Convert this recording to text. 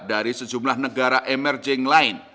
dari sejumlah negara emerging lain